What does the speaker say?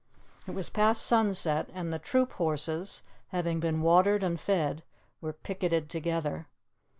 It was past sunset, and the troop horses, having been watered and fed, were picketed together.